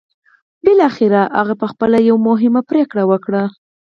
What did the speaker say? بالاخره هغه پخپله یوه مهمه پرېکړه وکړه